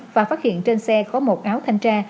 và phát hiện trên xe có một áo thanh tra